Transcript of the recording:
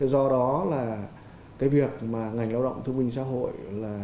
do đó là việc ngành lao động thương minh xã hội